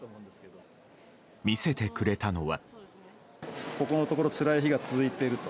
見せてくれたのは。